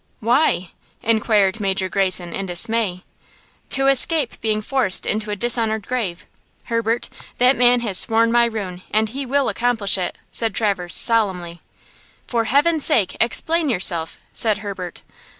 "Why?" inquired Major Greyson, in dismay. "To escape being forced into a dishonored grave! Herbert, that man has sworn my ruin, and he will accomplish it! " said Traverse, solemnly. "For Heaven's sake, explain yourself!" said Herbert.